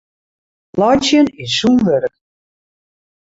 Laitsjen is sûn wurk.